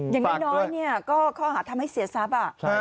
อย่างนั้นน้อยเนี่ยก็ข้ออาหารทำให้เสียทรัพย์อ่ะ